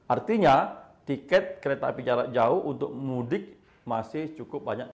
artinya tiket kereta api jarak jauh untuk mudik masih cukup banyak